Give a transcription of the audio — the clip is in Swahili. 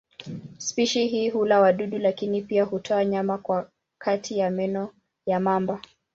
Spishi hii hula wadudu lakini pia hutoa nyama kwa kati ya meno ya mamba.